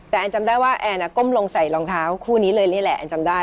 แต่แอนจำได้ว่าแอนก้มลงใส่รองเท้าคู่นี้เลยนี่แหละแอนจำได้